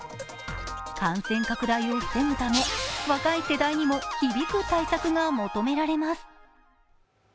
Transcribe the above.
感染拡大を防ぐため、若い世代にも響く対策が求められます。